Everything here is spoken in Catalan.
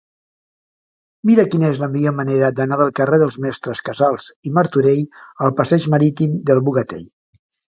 Mira'm quina és la millor manera d'anar del carrer dels Mestres Casals i Martorell al passeig Marítim del Bogatell.